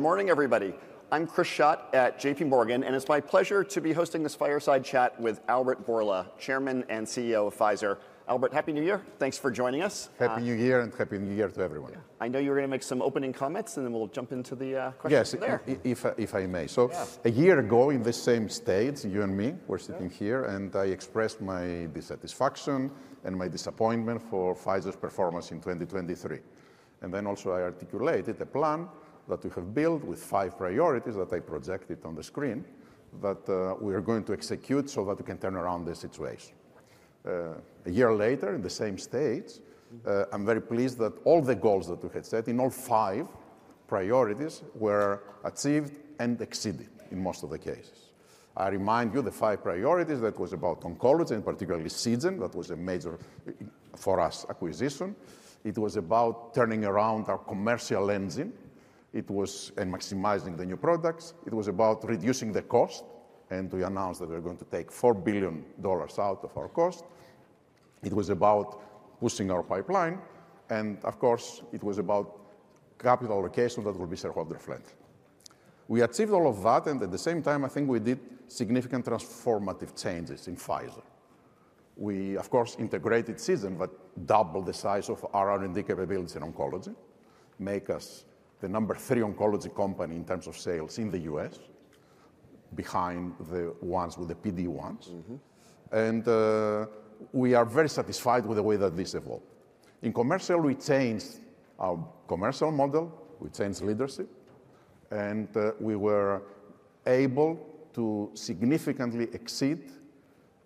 Good morning, everybody. I'm Chris Schott at J.P. Morgan, and it's my pleasure to be hosting this fireside chat with Albert Bourla, Chairman and CEO of Pfizer. Albert, happy New Year. Thanks for joining us. Happy New Year and Happy New Year to everyone. I know you were going to make some opening comments, and then we'll jump into the questions from there. Yes, if I may, so a year ago, in the same state, you and me, we're sitting here, and I expressed my dissatisfaction and my disappointment for Pfizer's performance in 2023, and then also I articulated a plan that we have built with five priorities that I projected on the screen that we are going to execute so that we can turn around the situation. A year later, in the same state, I'm very pleased that all the goals that we had set in all five priorities were achieved and exceeded in most of the cases. I remind you, the five priorities, that was about oncology, and particularly Seagen, that was a major for us acquisition. It was about turning around our commercial engine. It was maximizing the new products. It was about reducing the cost, and we announced that we're going to take $4 billion out of our cost. It was about pushing our pipeline. And of course, it was about capital allocation that will be shared with Dr. Flint. We achieved all of that. And at the same time, I think we did significant transformative changes in Pfizer. We, of course, integrated Seagen, but doubled the size of R&D capability in oncology, making us the number three oncology company in terms of sales in the U.S., behind the ones with the PD-1s. And we are very satisfied with the way that this evolved. In commercial, we changed our commercial model. We changed leadership. And we were able to significantly exceed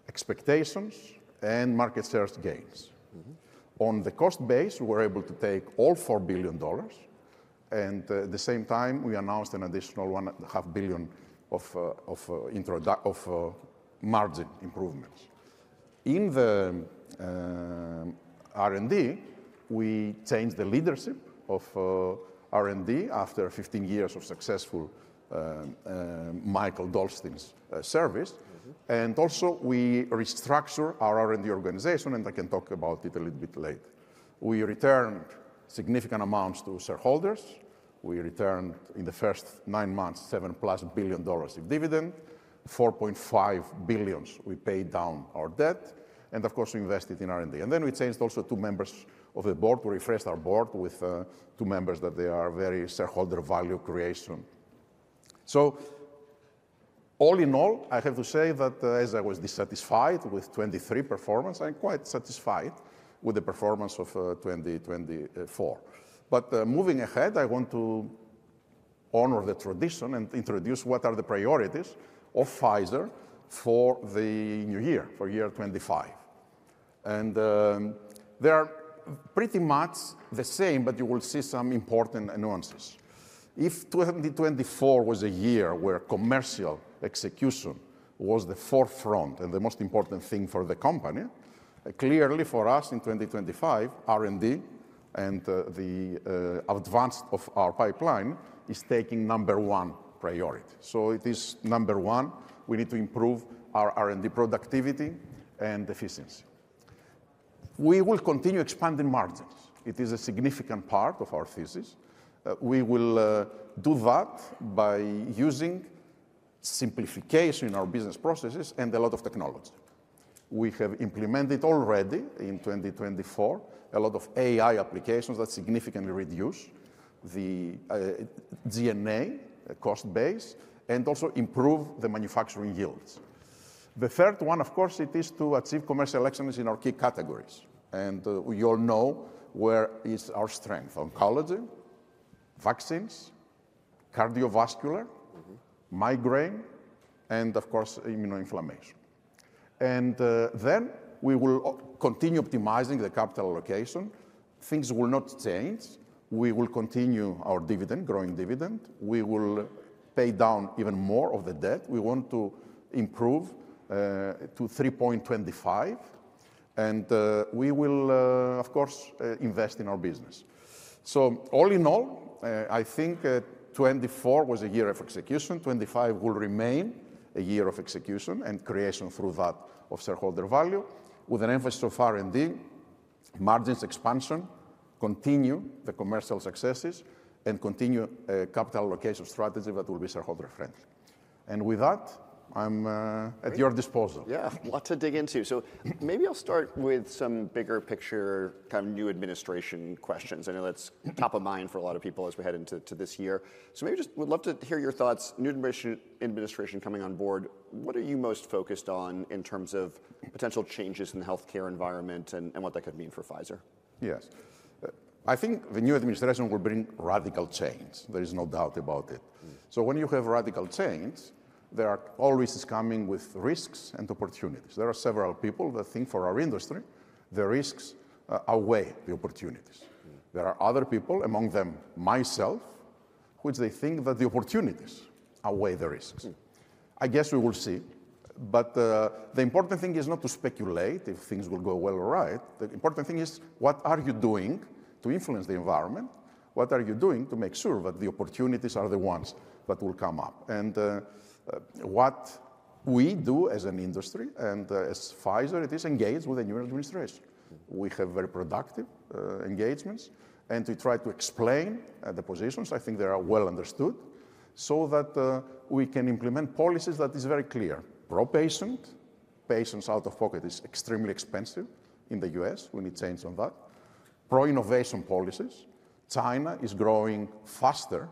expectations and market share gains. On the cost base, we were able to take all $4 billion. And at the same time, we announced an additional $1.5 billion of margin improvements. In the R&D, we changed the leadership of R&D after 15 years of successful Mikael Dolsten's service. And also, we restructured our R&D organization, and I can talk about it a little bit later. We returned significant amounts to shareholders. We returned, in the first nine months, $7+ billion of dividend, $4.5 billion we paid down our debt. And of course, we invested in R&D. And then we changed also two members of the board. We refreshed our board with two members that they are very shareholder value creation. So, all in all, I have to say that, as I was dissatisfied with 2023 performance, I'm quite satisfied with the performance of 2024. But moving ahead, I want to honor the tradition and introduce what are the priorities of Pfizer for the new year, for year 2025. They are pretty much the same, but you will see some important nuances. If 2024 was a year where commercial execution was the forefront and the most important thing for the company, clearly for us in 2025, R&D and the advance of our pipeline is taking number one priority. So it is number one. We need to improve our R&D productivity and efficiency. We will continue expanding margins. It is a significant part of our thesis. We will do that by using simplification in our business processes and a lot of technology. We have implemented already in 2024 a lot of AI applications that significantly reduce the SG&A cost base and also improve the manufacturing yields. The third one, of course, it is to achieve commercial excellence in our key categories. We all know where is our strength: oncology, vaccines, cardiovascular, migraine, and of course, immunoinflammation. And then we will continue optimizing the capital allocation. Things will not change. We will continue our dividend, growing dividend. We will pay down even more of the debt. We want to improve to 3.25. And we will, of course, invest in our business. So, all in all, I think 2024 was a year of execution. 2025 will remain a year of execution and creation through that of shareholder value, with an emphasis of R&D, margins expansion, continue the commercial successes, and continue capital allocation strategy that will be shareholder friendly. And with that, I'm at your disposal. Yeah, a lot to dig into. So maybe I'll start with some bigger picture, kind of new administration questions. I know that's top of mind for a lot of people as we head into this year. So maybe just would love to hear your thoughts. New administration coming on board, what are you most focused on in terms of potential changes in the healthcare environment and what that could mean for Pfizer? Yes. I think the new administration will bring radical rules. There is no doubt about it. So when you have radical change, there are always coming with risks and opportunities. There are several people that think for our industry, the risks outweigh the opportunities. There are other people, among them myself, which they think that the opportunities outweigh the risks. We will see. But the important thing is not to speculate if things will go well or right. The important thing is, what are you doing to influence the environment? What are you doing to make sure that the opportunities are the ones that will come up? And what we do as an industry and as Pfizer, it is engaged with the new administration. We have very productive engagements. And we try to explain the positions. I think they are well understood so that we can implement policies that are very clear: pro-patient, patients out of pocket is extremely expensive in the U.S., we need to change on that, pro-innovation policies. China is growing faster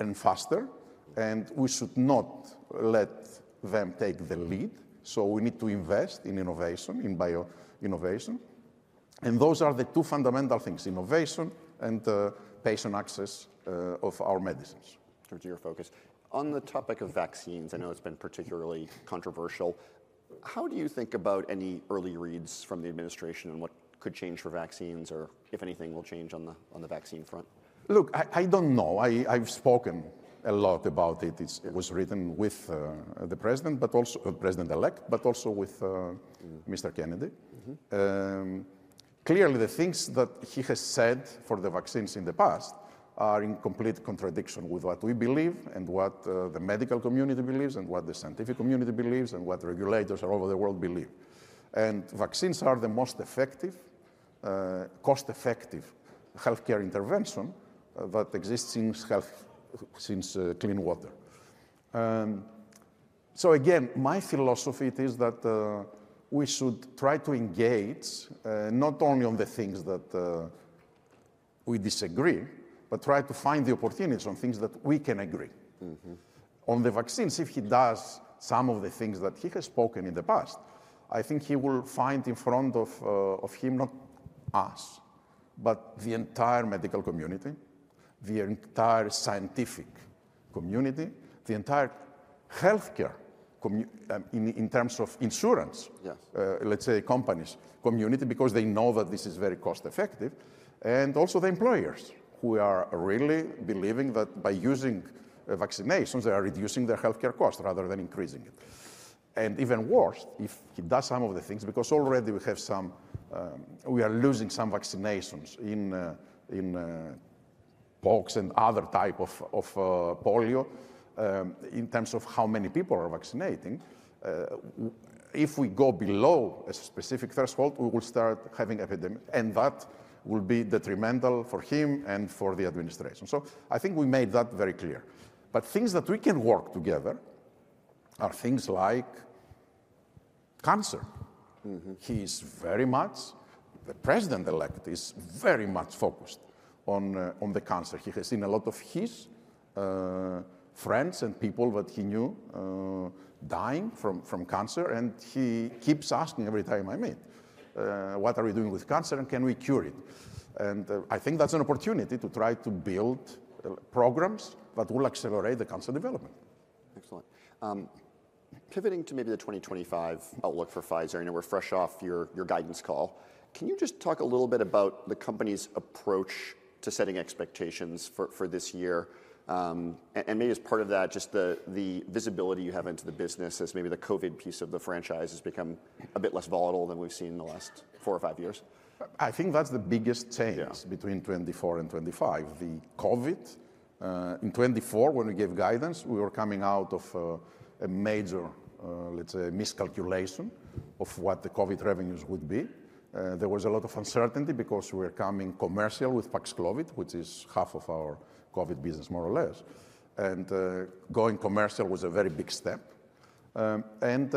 and faster, and we should not let them take the lead. So we need to invest in innovation, in bioinnovation. And those are the two fundamental things: innovation and patient access of our medicines. Turn to your focus. On the topic of vaccines, I know it's been particularly controversial. How do you think about any early reads from the administration and what could change for vaccines, or if anything will change on the vaccine front? Look, I don't know. I've spoken a lot about it. It was written with the President, but also the President-elect, but also with Mr. Kennedy. Clearly, the things that he has said for the vaccines in the past are in complete contradiction with what we believe and what the medical community believes and what the scientific community believes and what regulators all over the world believe, and vaccines are the most effective, cost-effective healthcare intervention that exists since clean water. So again, my philosophy is that we should try to engage not only on the things that we disagree, but try to find the opportunities on things that we can agree. On the vaccines, if he does some of the things that he has spoken in the past, I think he will find in front of him, not us, but the entire medical community, the entire scientific community, the entire healthcare community in terms of insurance, let's say companies, community, because they know that this is very cost-effective. And also the employers who are really believing that by using vaccinations, they are reducing their healthcare costs rather than increasing it. And even worse, if he does some of the things, because already we have some, we are losing some vaccinations in pox and other types of polio in terms of how many people are vaccinating. If we go below a specific threshold, we will start having epidemics. And that will be detrimental for him and for the administration, so I think we made that very clear. But things that we can work together are things like cancer. He is very much the President-elect, is very much focused on the cancer. He has seen a lot of his friends and people that he knew dying from cancer. And he keeps asking every time I meet, what are we doing with cancer and can we cure it? And I think that's an opportunity to try to build programs that will accelerate the cancer development. Excellent. Pivoting to maybe the 2025 outlook for Pfizer, I know we're fresh off your guidance call. Can you just talk a little bit about the company's approach to setting expectations for this year, and maybe as part of that, just the visibility you have into the business as maybe the COVID piece of the franchise has become a bit less volatile than we've seen in the last four or five years. I think that's the biggest change between 2024 and 2025. The COVID, in 2024, when we gave guidance, we were coming out of a major, let's say, miscalculation of what the COVID revenues would be. There was a lot of uncertainty because we were coming commercial with Paxlovid, which is half of our COVID business, more or less. And going commercial was a very big step. And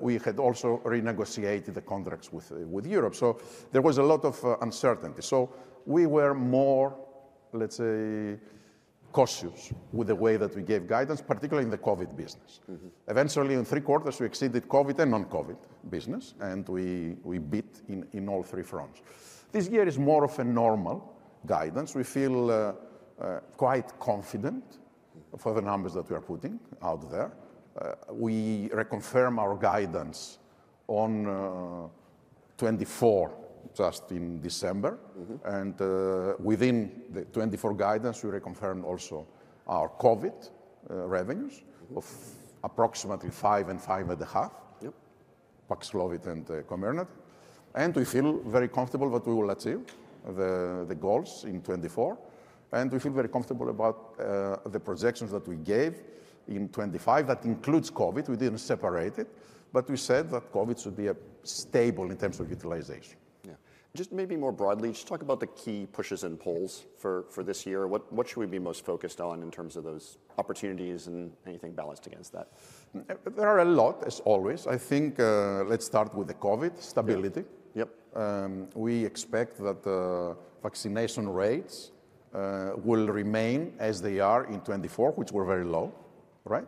we had also renegotiated the contracts with Europe. So there was a lot of uncertainty. So we were more, let's say, cautious with the way that we gave guidance, particularly in the COVID business. Eventually, in three quarters, we exceeded COVID and non-COVID business, and we beat in all three fronts. This year is more of a normal guidance. We feel quite confident for the numbers that we are putting out there. We reconfirmed our guidance on 2024 just in December. Within the 2024 guidance, we reconfirmed also our COVID revenues of approximately $5 billion and $5.5 billion, Paxlovid and Comirnaty. We feel very comfortable that we will achieve the goals in 2024. We feel very comfortable about the projections that we gave in 2025 that includes COVID. We didn't separate it, but we said that COVID should be stable in terms of utilization. Yeah. Just maybe more broadly, just talk about the key pushes and pulls for this year. What should we be most focused on in terms of those opportunities and anything balanced against that? There are a lot, as always. I think let's start with the COVID stability. We expect that vaccination rates will remain as they are in 2024, which were very low, right?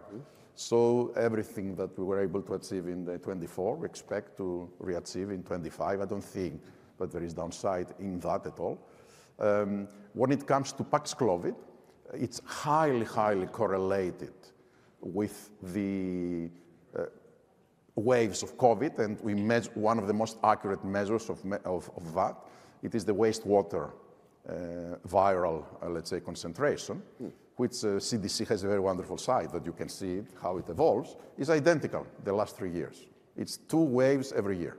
So everything that we were able to achieve in 2024, we expect to reach in 2025. I don't think that there is downside in that at all. When it comes to Paxlovid, it's highly, highly correlated with the waves of COVID. And we measure one of the most accurate measures of that. It is the wastewater viral, let's say, concentration, which CDC has a very wonderful site that you can see how it evolves. It's identical the last three years. It's two waves every year.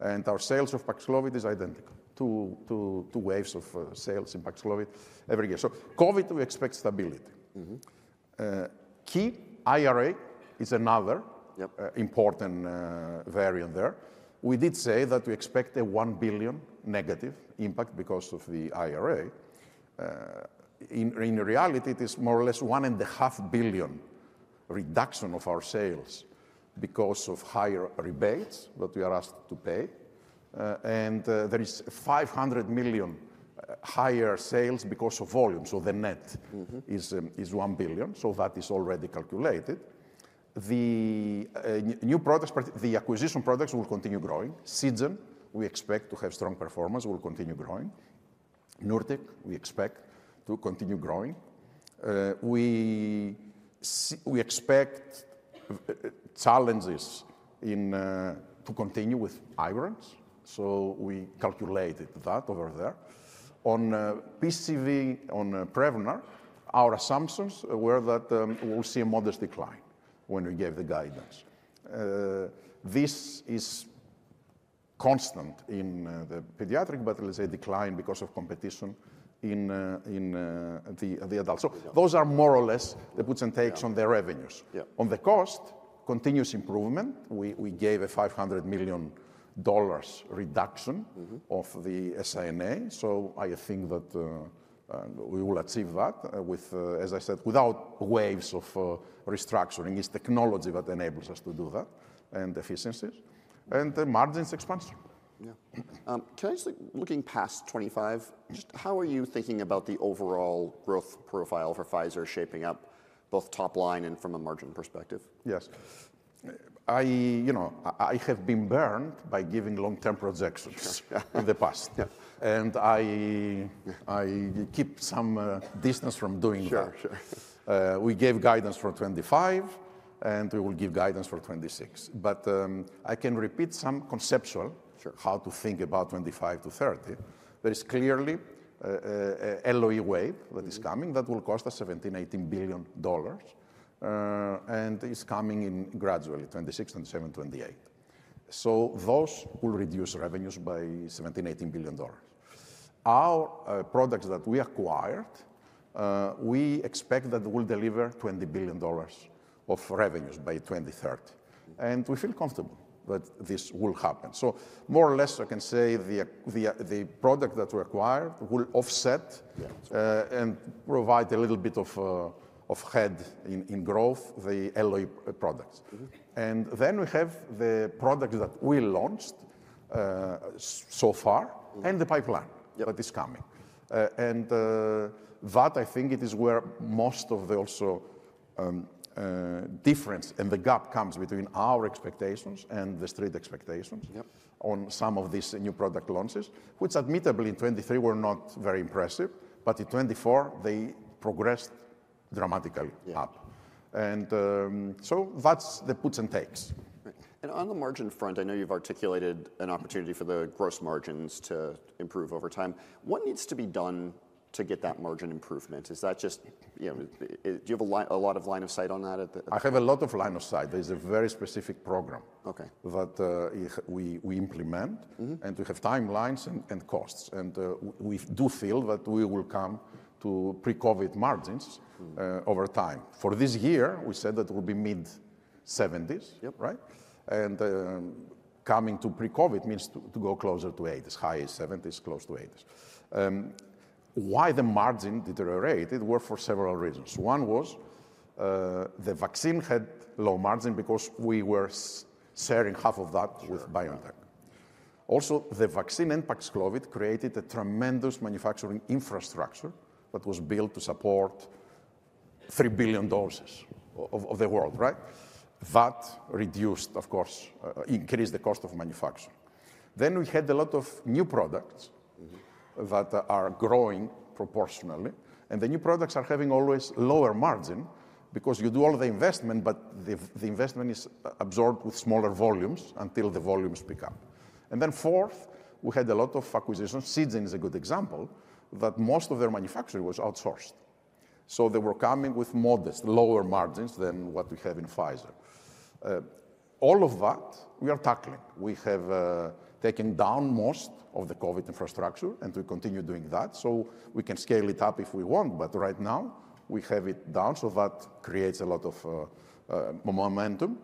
And our sales of Paxlovid is identical, two waves of sales in Paxlovid every year. So COVID, we expect stability. Key IRA is another important variant there. We did say that we expect a $1 billion negative impact because of the IRA. In reality, it is more or less $1.5 billion reduction of our sales because of higher rebates that we are asked to pay, and there is $500 million higher sales because of volume. The net is $1 billion, so that is already calculated. The new products, the acquisition products will continue growing. Seagen, we expect to have strong performance, will continue growing. Nurtec, we expect to continue growing. We expect challenges to continue with migraines, so we calculated that over there. On PCV, on Prevnar, our assumptions were that we will see a modest decline when we gave the guidance. This is constant in the pediatric, but let's say decline because of competition in the adults. Those are more or less the puts and takes on the revenues. On the cost, continuous improvement. We gave a $500 million reduction of the SI&A, so I think that we will achieve that, as I said, without waves of restructuring. It's technology that enables us to do that and efficiencies and margins expansion. Yeah. Can I just, looking past 2025, just how are you thinking about the overall growth profile for Pfizer shaping up both top line and from a margin perspective? Yes. I have been burned by giving long-term projections in the past and I keep some distance from doing that. Sure. Sure. We gave guidance for 2025, and we will give guidance for 2026, but I can repeat some conceptual how to think about 2025 to 2030. There is clearly an LOE wave that is coming that will cost us $17 billion-$18 billion, and it's coming in gradually, 2026 and 2027, 2028, so those will reduce revenues by $17 billion-$18 billion. Our products that we acquired, we expect that we will deliver $20 billion of revenues by 2030, and we feel comfortable that this will happen, so more or less, I can say the product that we acquired will offset and provide a little bit of head in growth, the LOE products, and then we have the products that we launched so far and the pipeline that is coming. And that, I think, it is where most of the also difference and the gap comes between our expectations and the street expectations on some of these new product launches, which admittedly in 2023 were not very impressive. but in 2024, they progressed dramatically up. and so that's the puts and takes. And on the margin front, I know you've articulated an opportunity for the gross margins to improve over time. What needs to be done to get that margin improvement? Is that just, do you have a lot of line of sight on that? I have a lot of line of sight. There is a very specific program that we implement, and we have timelines and costs. We do feel that we will come to pre-COVID margins over time. For this year, we said that it will be mid-70s, right? Coming to pre-COVID means to go closer to 80s, high 70s, close to 80s. Why the margin deteriorated? It worked for several reasons. One was the vaccine had low margin because we were sharing half of that with BioNTech. Also, the vaccine and Paxlovid created a tremendous manufacturing infrastructure that was built to support $3 billion of the world, right? That reduced, of course, increased the cost of manufacturing. Then we had a lot of new products that are growing proportionally. The new products are having always lower margin because you do all the investment, but the investment is absorbed with smaller volumes until the volumes pick up. And then fourth, we had a lot of acquisitions. Seagen is a good example that most of their manufacturing was outsourced. So they were coming with modest, lower margins than what we have in Pfizer. All of that, we are tackling. We have taken down most of the COVID infrastructure and we continue doing that. So we can scale it up if we want, but right now we have it down. So that creates a lot of momentum.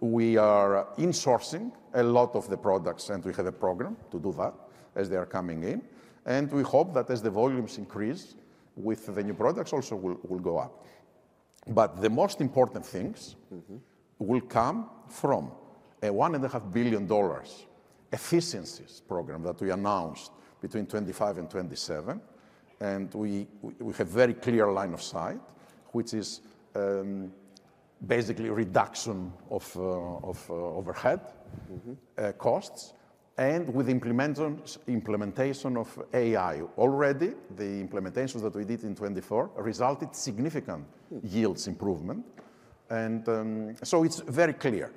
We are insourcing a lot of the products, and we have a program to do that as they are coming in. And we hope that as the volumes increase with the new products, also will go up. But the most important things will come from a $1.5 billion efficiencies program that we announced between 2025 and 2027. And we have a very clear line of sight, which is basically reduction of overhead costs. And with the implementation of AI already, the implementations that we did in 2024 resulted in significant yields improvement. And so it's very clear.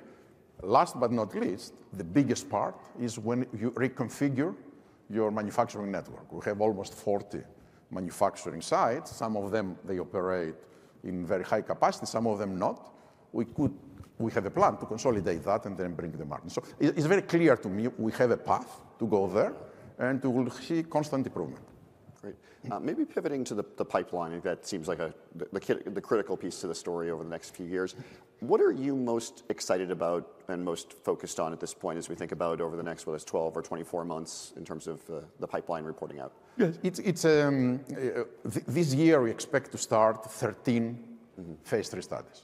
Last but not least, the biggest part is when you reconfigure your manufacturing network. We have almost 40 manufacturing sites. Some of them, they operate in very high capacity. Some of them not. We have a plan to consolidate that and then bring the margin. So it's very clear to me we have a path to go there, and we will see constant improvement. Great. Maybe pivoting to the pipeline, that seems like the critical piece to the story over the next few years. What are you most excited about and most focused on at this point as we think about over the next, whether it's 12 months or 24 months in terms of the pipeline reporting out? Yes. This year, we expect to start 13 phase III studies,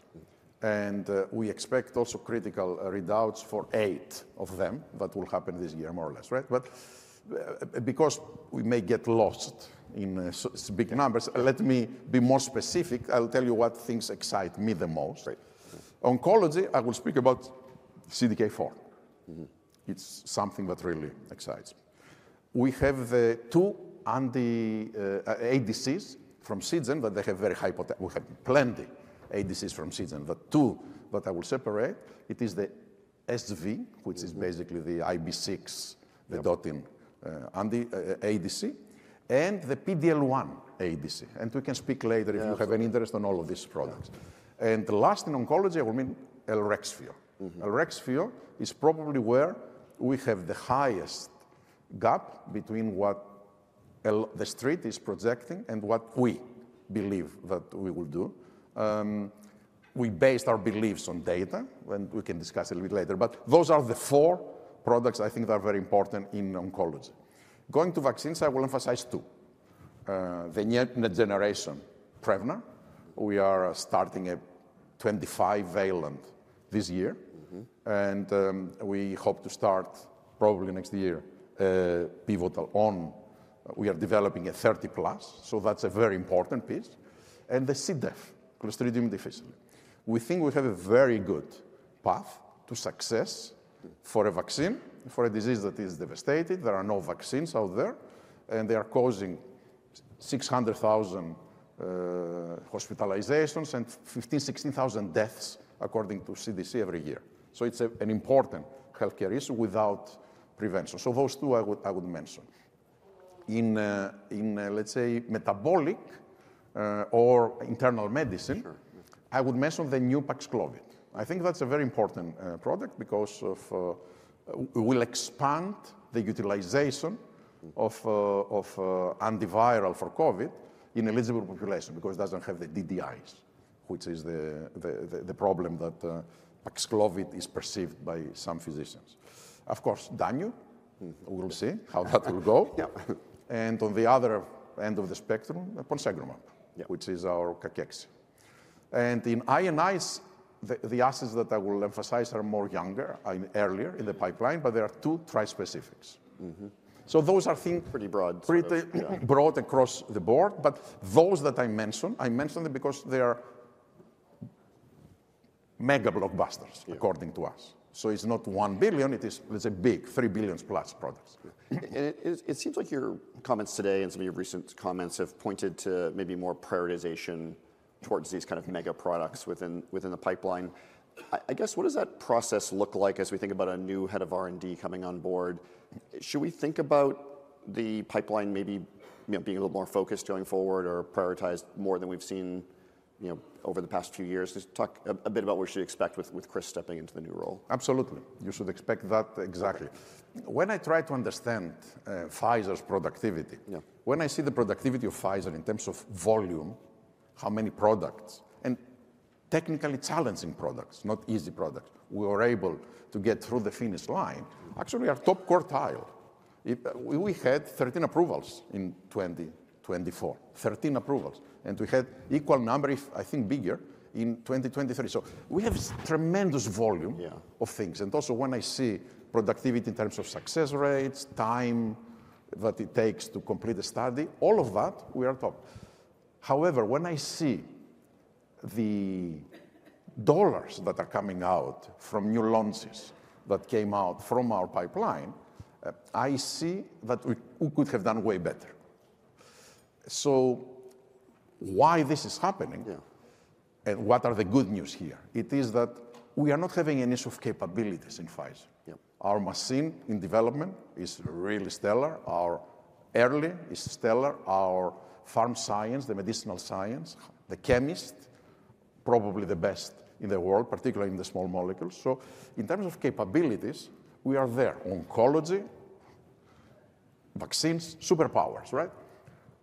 and we expect also critical readouts for eight of them that will happen this year, more or less, right, but because we may get lost in big numbers, let me be more specific. I'll tell you what things excite me the most. Oncology, I will speak about CDK4. It's something that really excites. We have the two ADCs from Seagen that they have very high potential. We have plenty ADCs from Seagen. But two that I will separate, it is the SV, which is basically the IB6, the vedotin ADC, and the PD-L1 ADC. And we can speak later if you have an interest in all of these products, and last in oncology, I will mention Elrexfio. Elrexfio is probably where we have the highest gap between what the street is projecting and what we believe that we will do. We based our beliefs on data, and we can discuss a little bit later, but those are the four products I think that are very important in oncology. Going to vaccines, I will emphasize two. The next generation Prevnar, we are starting a 25-valent this year, and we hope to start probably next year. Pivotal one, we are developing a 30+. So that's a very important piece, and the C. diff, Clostridium difficile. We think we have a very good path to success for a vaccine for a disease that is devastated. There are no vaccines out there, and they are causing 600,000 hospitalizations and 15,000, 16,000 deaths according to CDC every year. So it's an important healthcare issue without prevention. So those two I would mention. In, let's say, metabolic or internal medicine, I would mention the new Paxlovid. I think that's a very important product because we will expand the utilization of antiviral for COVID in eligible population because it doesn't have the DDIs, which is the problem that Paxlovid is perceived by some physicians. Of course, Danu, we'll see how that will go. And on the other end of the spectrum, Ponsegramab, which is our cachexia. And in I&Is, the assets that I will emphasize are more younger, earlier in the pipeline, but there are two trispecifics. So those are things pretty broad across the board. But those that I mentioned, I mentioned them because they are mega blockbusters according to us. So it's not $1 billion. It is, let's say, big, $3 billion plus products. It seems like your comments today and some of your recent comments have pointed to maybe more prioritization towards these kind of mega products within the pipeline. What does that process look like as we think about a new Head of R&D coming on board? Should we think about the pipeline maybe being a little more focused going forward or prioritized more than we've seen over the past few years? Just talk a bit about what we should expect with Chris stepping into the new role. Absolutely. You should expect that exactly. When I try to understand Pfizer's productivity, when I see the productivity of Pfizer in terms of volume, how many products, and technically challenging products, not easy products, we were able to get through the finish line. Actually, our top quartile, we had 13 approvals in 2024, 13 approvals, and we had equal number, I think bigger in 2023, so we have tremendous volume of things. And also, when I see productivity in terms of success rates, time that it takes to complete a study, all of that, we are top. However, when I see the dollars that are coming out from new launches that came out from our pipeline, I see that we could have done way better, so why this is happening and what are the good news here? It is that we are not having an issue of capabilities in Pfizer. Our machine in development is really stellar. Our early is stellar. Our pharma science, the medicinal science, the chemist, probably the best in the world, particularly in the small molecules. So in terms of capabilities, we are there. Oncology, vaccines, superpowers, right?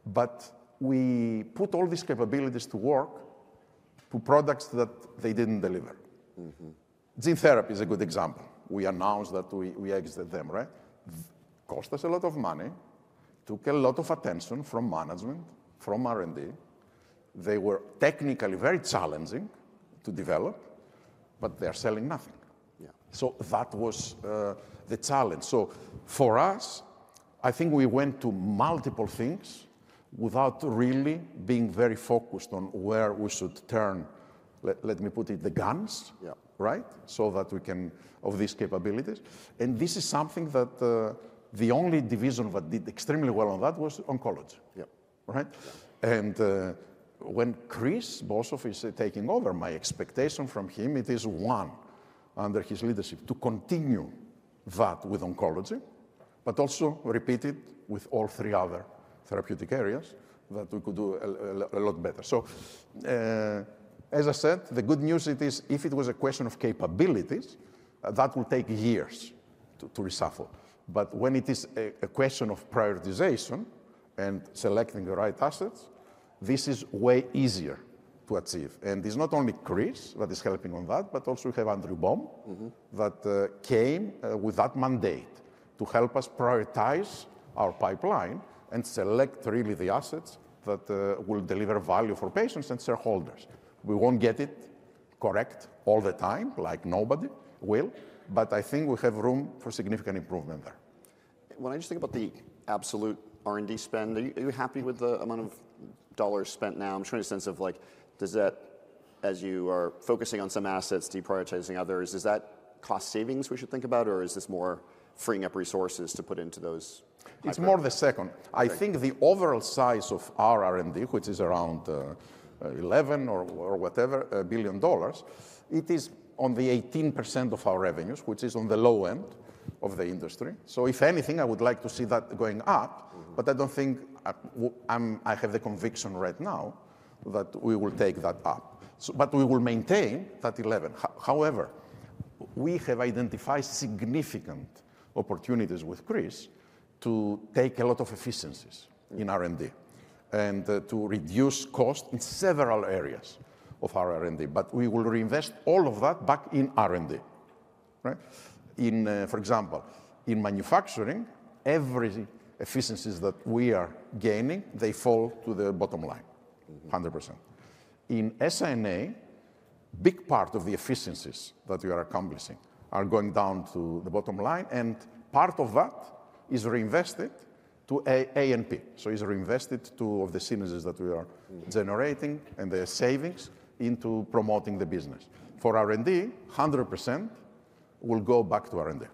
But we put all these capabilities to work to products that they didn't deliver. Gene therapy is a good example. We announced that we exited them, right? Cost us a lot of money, took a lot of attention from management, from R&D. They were technically very challenging to develop, but they are selling nothing. So that was the challenge. So for us, I think we went to multiple things without really being very focused on where we should turn, let me put it, the guns, right? So that we can have these capabilities. This is something that the only division that did extremely well on that was oncology, right? When Chris Boshoff is taking over, my expectation from him, it is one under his leadership to continue that with oncology, but also repeat it with all three other therapeutic areas that we could do a lot better. As I said, the good news is if it was a question of capabilities, that will take years to reshuffle. When it is a question of prioritization and selecting the right assets, this is way easier to achieve. It's not only Chris that is helping on that, but also we have Andrew Baum that came with that mandate to help us prioritize our pipeline and select really the assets that will deliver value for patients and shareholders. We won't get it correct all the time, like nobody will. But I think we have room for significant improvement there. When I just think about the absolute R&D spend, are you happy with the amount of dollars spent now? I'm trying to get a sense of like, does that, as you are focusing on some assets, deprioritizing others, is that cost savings we should think about or is this more freeing up resources to put into those? It's more the second. I think the overall size of our R&D, which is around $11 billion or whatever, it is at 18% of our revenues, which is on the low end of the industry, so if anything, I would like to see that going up, but I don't think I have the conviction right now that we will take that up, but we will maintain that $11 billion. However, we have identified significant opportunities with Chris to take a lot of efficiencies in R&D and to reduce costs in several areas of our R&D, but we will reinvest all of that back in R&D, right? For example, in manufacturing, every efficiencies that we are gaining, they fall to the bottom line, 100%. In SI&A, big part of the efficiencies that we are accomplishing are going down to the bottom line. Part of that is reinvested to A&P. It's reinvested to all the synergies that we are generating and the savings into promoting the business. For R&D, 100% will go back to R&D.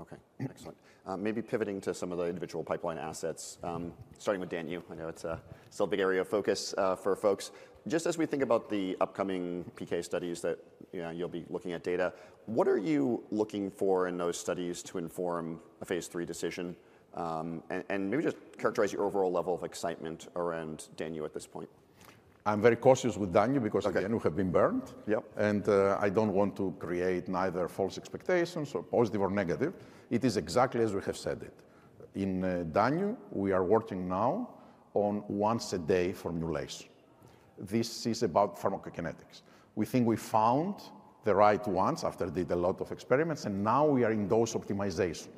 Okay. Excellent. Maybe pivoting to some of the individual pipeline assets, starting with Danu, I know it's still a big area of focus for folks. Just as we think about the upcoming PK studies that you'll be looking at data, what are you looking for in those studies to inform a phase III decision? And maybe just characterize your overall level of excitement around Danu at this point. I'm very cautious with Danu because Danu have been burnt. And I don't want to create neither false expectations or positive or negative. It is exactly as we have said it. In Danu, we are working now on once a day formulation. This is about pharmacokinetics. We think we found the right ones after did a lot of experiments. And now we are in dose optimization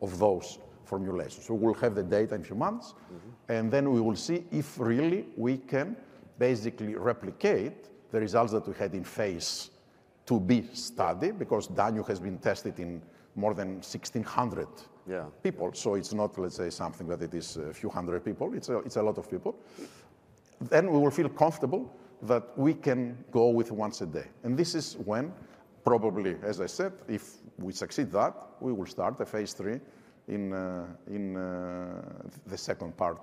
of those formulations. We will have the data in a few months. And then we will see if really we can basically replicate the results that we had in phase IIb study because Danu has been tested in more than 1,600 people. So it's not, let's say, something that it is a few hundred people. It's a lot of people. Then we will feel comfortable that we can go with once a day. And this is when probably, as I said, if we succeed that, we will start a phase III in the second part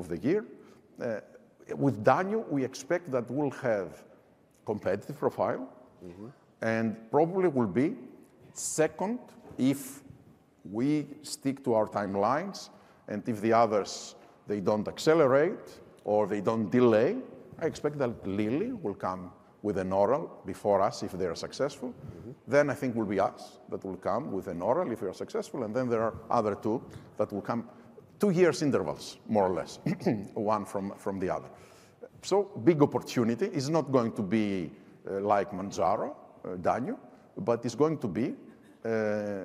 of the year. With Danu, we expect that we'll have a competitive profile and probably will be second if we stick to our timelines. And if the others, they don't accelerate or they don't delay, I expect that Lilly will come with an oral before us if they are successful. Then I think it will be us that will come with an oral if we are successful. And then there are other two that will come two years intervals, more or less, one from the other. So big opportunity. It's not going to be like Mounjaro, Danu, but it's going to be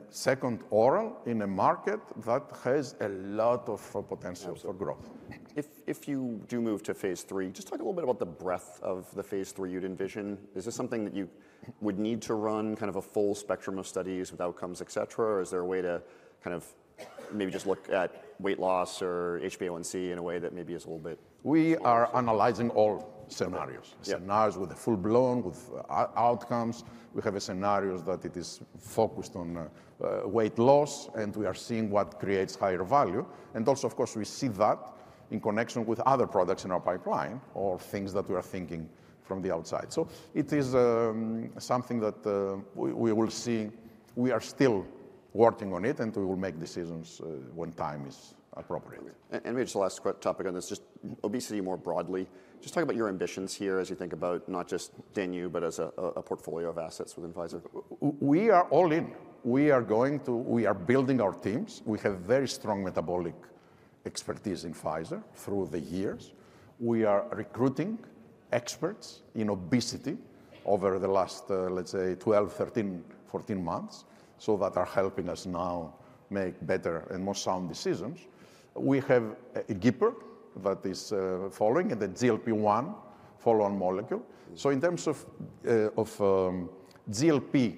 second oral in a market that has a lot of potential for growth. If you do move to phase III, just talk a little bit about the breadth of the phase III you'd envision. Is this something that you would need to run kind of a full spectrum of studies with outcomes, etc. or is there a way to kind of maybe just look at weight loss or HbA1c in a way that maybe is a little bit? We are analyzing all scenarios, scenarios with the full-blown, with outcomes. We have scenarios that it is focused on weight loss, and we are seeing what creates higher value. Also, of course, we see that in connection with other products in our pipeline or things that we are thinking from the outside, so it is something that we will see. We are still working on it, and we will make decisions when time is appropriate. Maybe just the last topic on this, just obesity more broadly. Just talk about your ambitions here as you think about not just Danu, but as a portfolio of assets within Pfizer. We are all in. We are going to build our teams. We have very strong metabolic expertise in Pfizer through the years. We are recruiting experts in obesity over the last, let's say, 12 months, 13 months, 14 months, so they are helping us now make better and more sound decisions. We have a GIPR that is following and the GLP-1 follow-on molecule, so in terms of GLP,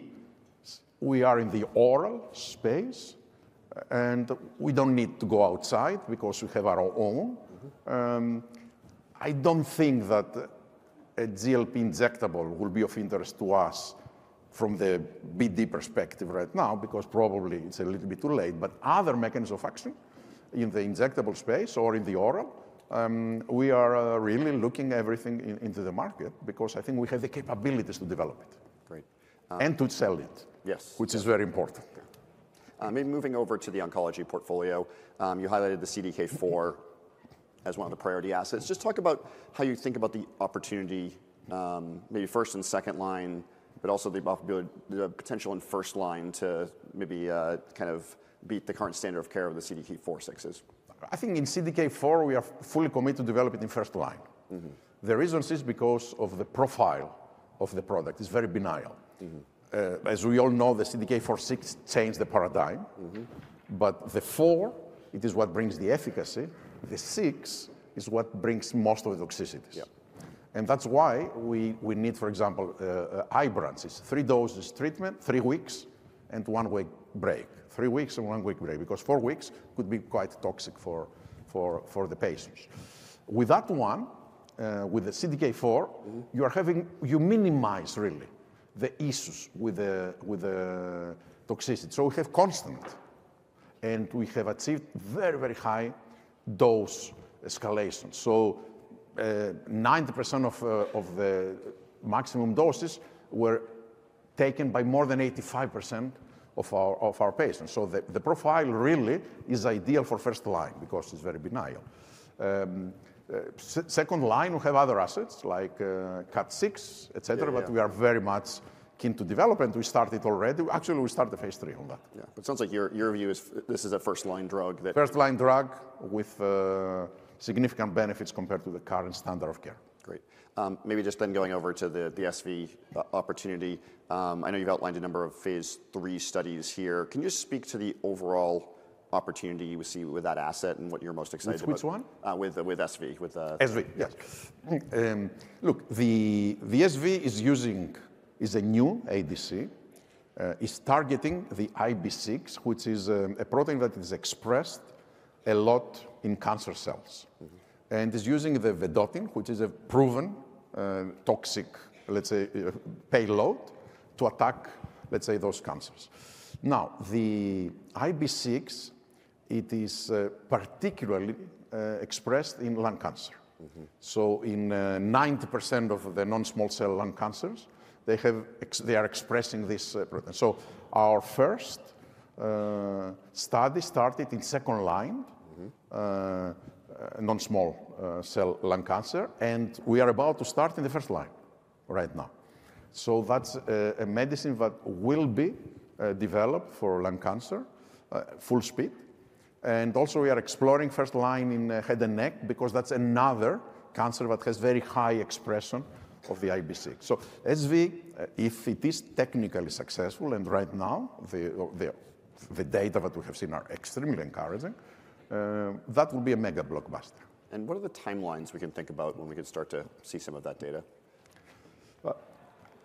we are in the oral space, and we don't need to go outside because we have our own. I don't think that a GLP injectable will be of interest to us from the BD perspective right now because probably it's a little bit too late. But other mechanisms of action in the injectable space or in the oral, we are really looking at everything in the market because I think we have the capabilities to develop it and to sell it, which is very important. Maybe moving over to the oncology portfolio, you highlighted the CDK4 as one of the priority assets. Just talk about how you think about the opportunity maybe first and second line, but also the potential in first line to maybe kind of beat the current standard of care of the CDK4/6s? I think in CDK4, we are fully committed to develop it in first line. The reason is because of the profile of the product. It's very benign. As we all know, the CDK4/6 changed the paradigm. But the four, it is what brings the efficacy. The six is what brings most of the toxicities. And that's why we need, for example, Ibrance. It's three doses treatment, three weeks, and one week break, three weeks and one week break because four weeks could be quite toxic for the patients. With that one, with the CDK4, you minimize really the issues with the toxicity. So we have constant. And we have achieved very, very high dose escalation. So 90% of the maximum doses were taken by more than 85% of our patients. So the profile really is ideal for first line because it's very benign. Second line, we have other assets like CDK4/6, etc. But we are very much keen to develop and we started already. Actually, we started phase III on that. It sounds like your view is this is a first line drug that. First line drug with significant benefits compared to the current standard of care. Great. Maybe just then going over to the SV opportunity. I know you've outlined a number of phase III studies here. Can you just speak to the overall opportunity you see with that asset and what you're most excited about? Which one? With SV, with the. SV, yes. Look, the SV is using, is a new ADC. It's targeting the IB6, which is a protein that is expressed a lot in cancer cells. And it's using the Vedotin, which is a proven toxic, let's say, payload to attack, let's say, those cancers. Now, the IB6, it is particularly expressed in lung cancer. So in 90% of the non-small cell lung cancers, they are expressing this protein. So our first study started in second line, non-small cell lung cancer. And we are about to start in the first line right now. So that's a medicine that will be developed for lung cancer, full speed. And also, we are exploring first line in head and neck because that's another cancer that has very high expression of the IB6. So SV, if it is technically successful, and right now the data that we have seen are extremely encouraging, that will be a mega blockbuster. What are the timelines we can think about when we can start to see some of that data?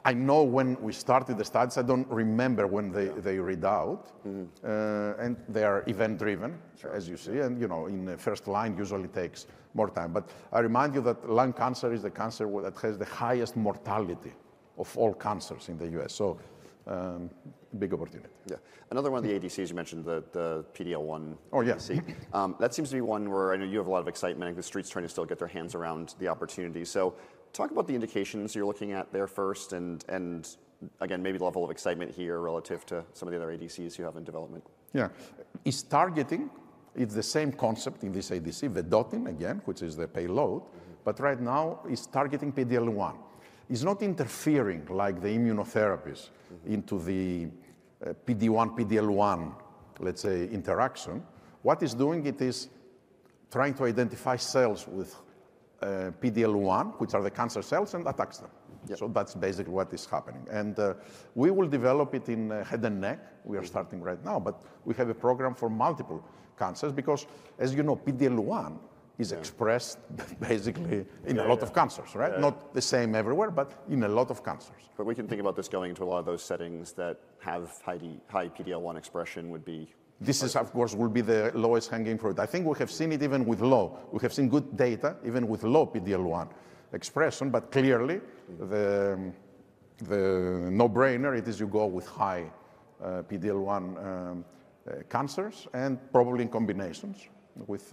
I know when we started the studies, I don't remember when they read out. And they are event driven, as you see. And in the first line, usually takes more time. But I remind you that lung cancer is the cancer that has the highest mortality of all cancers in the U.S. So a big opportunity there. Yeah. Another one of the ADCs you mentioned, the PD-L1 vaccine. That seems to be one where I know you have a lot of excitement. The street's trying to still get their hands around the opportunity. So talk about the indications you're looking at there first. And again, maybe the level of excitement here relative to some of the other ADCs you have in development. Yeah. It's targeting. It's the same concept in this ADC, Vedotin again, which is the payload. But right now, it's targeting PD-L1. It's not interfering like the immunotherapies into the PD-1, PD-L1, let's say, interaction. What it's doing, it is trying to identify cells with PD-L1, which are the cancer cells, and attacks them. So that's basically what is happening, and we will develop it in head and neck. We are starting right now, but we have a program for multiple cancers because, as you know, PD-L1 is expressed basically in a lot of cancers, right? Not the same everywhere, but in a lot of cancers. But we can think about this going into a lot of those settings that have high PD-L1 expression would be. This is, of course, will be the lowest hanging fruit. I think we have seen it even with low. We have seen good data even with low PD-L1 expression. But clearly, the no brainer it is you go with high PD-L1 cancers and probably in combinations with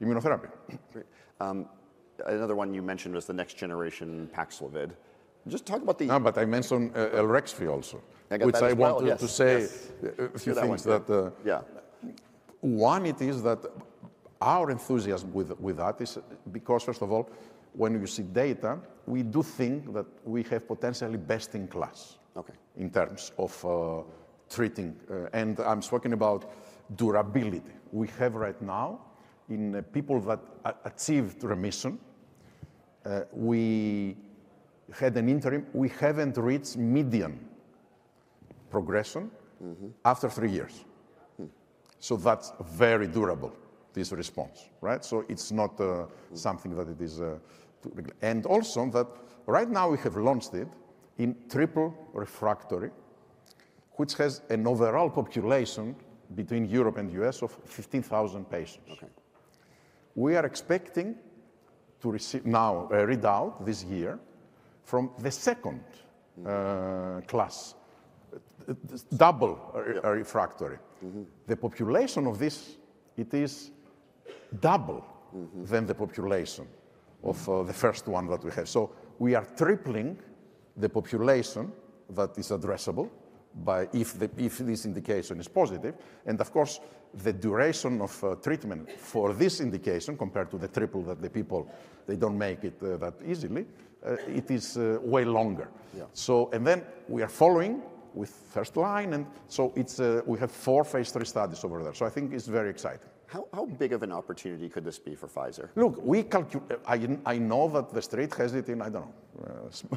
immunotherapy. Another one you mentioned was the next generation Paxlovid. Just talk about the. But I mentioned Elrexfio also, which I wanted to say a few things about that. Yeah. One, it is that our enthusiasm with that is because, first of all, when you see data, we do think that we have potentially best in class in terms of treating. And I'm talking about durability. We have right now in people that achieved remission, we had an interim. We haven't reached median progression after three years. So that's very durable, this response, right? So it's not something that it is. And also that right now we have launched it in triple refractory, which has an overall population between Europe and U.S. of 15,000 patients. We are expecting to receive now a readout this year from the second class, double refractory. The population of this, it is double than the population of the first one that we have. So we are tripling the population that is addressable if this indication is positive. Of course, the duration of treatment for this indication compared to the triple that the people, they don't make it that easily. It is way longer. Then we are following with first line, and so we have four phase III studies over there, so I think it's very exciting. How big of an opportunity could this be for Pfizer? Look, I know that the street has it in, I don't know,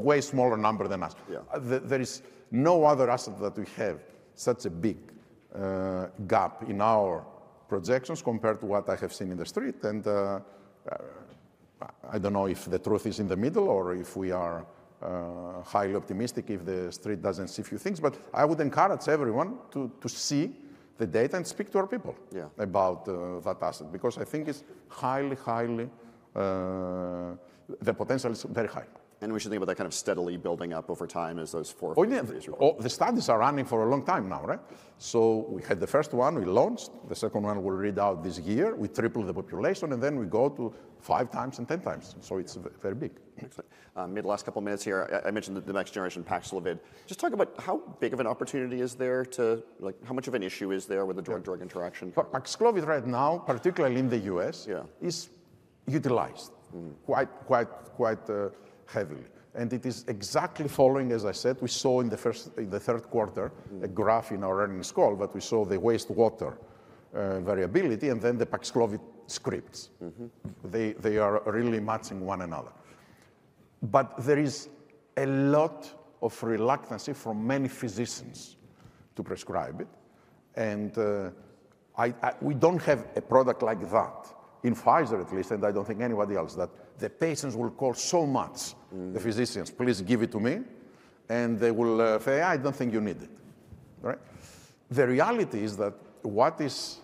way smaller number than us. There is no other asset that we have such a big gap in our projections compared to what I have seen in the street, and I don't know if the truth is in the middle or if we are highly optimistic if the street doesn't see a few things, but I would encourage everyone to see the data and speak to our people about that asset because I think it's highly, highly, the potential is very high. We should think about that kind of steadily building up over time as those four. The studies are running for a long time now, right, so we had the first one, we launched. The second one will read out this year. We tripled the population, and then we go to 5x and 10x, so it's very big. The last couple of minutes here, I mentioned the next generation Paxlovid. Just talk about how big of an opportunity is there to how much of an issue is there with the drug-drug interaction? Paxlovid right now, particularly in the U.S., is utilized quite heavily. And it is exactly following, as I said, we saw in the third quarter a graph in our earnings call that we saw the wastewater variability and then the Paxlovid scripts. They are really matching one another. But there is a lot of reluctance from many physicians to prescribe it. And we don't have a product like that in Pfizer, at least, and I don't think anybody else that the patients will call so much the physicians, please give it to me. And they will say, I don't think you need it, right? The reality is that what is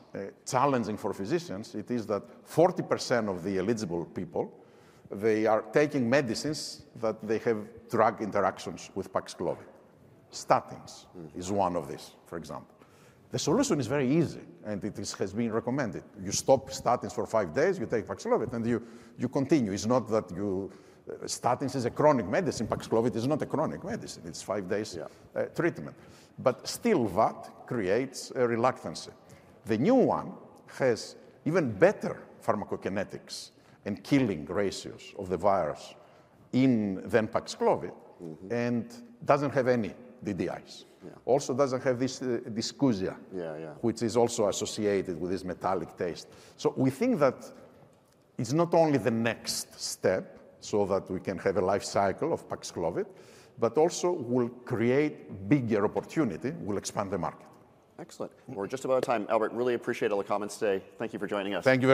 challenging for physicians, it is that 40% of the eligible people, they are taking medicines that they have drug interactions with Paxlovid. Statins is one of these, for example. The solution is very easy. And it has been recommended. You stop statins for five days. You take Paxlovid. And you continue. It's not that your statins is a chronic medicine. Paxlovid is not a chronic medicine. It's five days treatment. But still, that creates a reluctance. The new one has even better pharmacokinetics and killing ratios of the virus than Paxlovid and doesn't have any DDIs. Also doesn't have this dysgeusia, which is also associated with this metallic taste. So we think that it's not only the next step so that we can have a life cycle of Paxlovid, but also will create bigger opportunity, will expand the market. Excellent. We're just about time. Albert, really appreciate all the comments today. Thank you for joining us. Thank you.